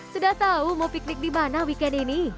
sudah tahu mau piknik di mana weekend ini